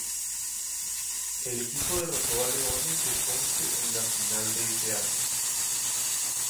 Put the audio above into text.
El equipo derrotó a Leones de Ponce en la final de ese año.